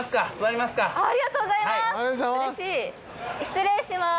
ありがとうございます。